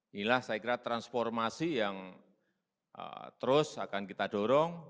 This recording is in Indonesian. inilah saya kira transformasi yang terus akan kita dorong